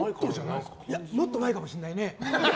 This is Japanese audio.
もっと前かもしれないね。